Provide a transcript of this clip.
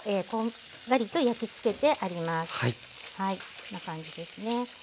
こんな感じですね。